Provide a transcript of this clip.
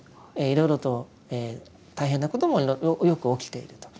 いろいろと大変なこともよく起きていると。